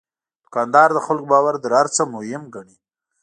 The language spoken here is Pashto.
دوکاندار د خلکو باور تر هر څه مهم ګڼي.